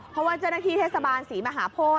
เพราะว่าเจ้าหน้าที่เทศบาลศรีมหาโพธิ